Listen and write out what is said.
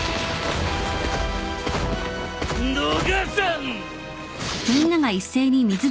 逃さん！